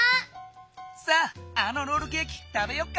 さああのロールケーキ食べよっか。